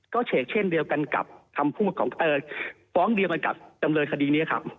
ก็เฉกเช่นเดียวกันกับคำพูดของฟ้องเดียวกันกับจำเลยคดีนี้ครับ